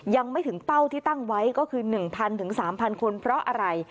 ยังไม่ถึงเป้าที่ตั้งไว้ก็คือ๑๐๐๓๐๐คนเพราะอะไร